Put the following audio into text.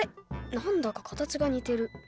何だか形が似てる。